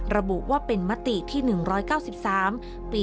ระบุว่าเป็นมติที่๑๙๓ปี